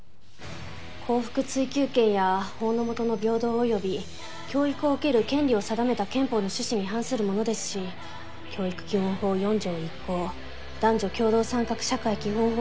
幸福追求権や法の下の平等および教育を受ける権利を定めた憲法の趣旨に反するものですし教育基本法４条１項男女共同参画社会基本法